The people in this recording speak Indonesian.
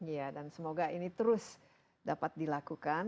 iya dan semoga ini terus dapat dilakukan